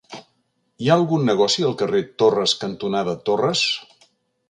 Hi ha algun negoci al carrer Torres cantonada Torres?